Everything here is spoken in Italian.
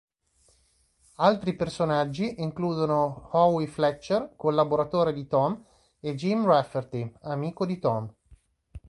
Altri personaggi includono Howie Fletcher, collaboratore di Tom, e Jim Rafferty, amico di Tom.